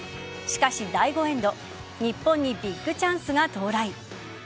しかし、第５エンド日本にビッグチャンスが到来。